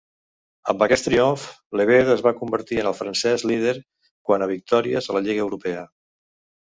Amb aquest triomf, Levet es va convertir en el francès líder quant a victòries a la lliga europea.